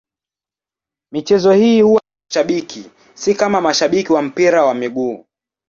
Michezo hii huwa na mashabiki, si kama mashabiki wa mpira wa miguu.